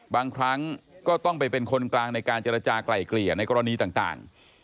บางครั้งก็ต้องไปเป็นคนกลางในการเจรจากลายเกลี่ยในกรณีต่าง